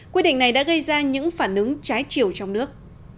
quyết định này đã gây ra những phản ứng trái chiều trong nước